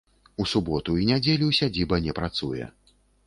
У суботу і нядзелю сядзіба не працуе.